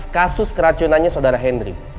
kasus keracunannya saudara henry